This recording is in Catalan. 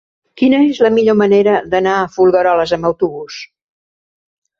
Quina és la millor manera d'anar a Folgueroles amb autobús?